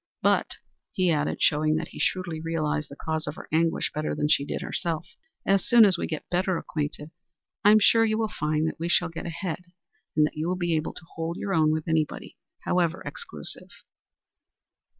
But," he added, showing that he shrewdly realized the cause of her anguish better than she did herself, "as soon as we get better acquainted, I'm sure you will find that we shall get ahead, and that you will be able to hold your own with anybody, however exclusive."